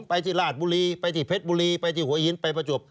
ไปที่ราชบุรีไปที่เพชรบุรีไปที่หัวหินไปประจวบ